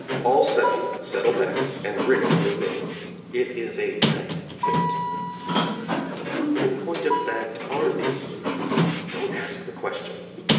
All seven settle back and wriggle for room. It is a tight fit. (Who, in point of fact, are these ladies? Don't ask the question!